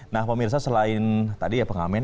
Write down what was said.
nah pemirsa selain tadi ya pengamen